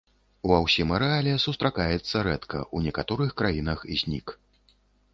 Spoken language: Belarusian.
Ва ўсім арэале сустракаецца рэдка, у некаторых краінах знік.